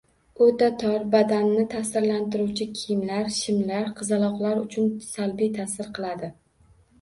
O‘ta tor, badanni ta’sirlantiruvchi kiyimlar, shimlar qizaloqlar uchun salbiy ta’sir qiladi.